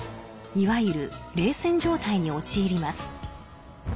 いわゆる「冷戦」状態に陥ります。